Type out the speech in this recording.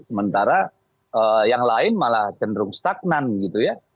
sementara yang lain malah cenderung stagnan gitu ya